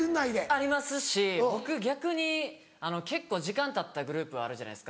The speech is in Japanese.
ありますし僕逆に結構時間たったグループあるじゃないですか。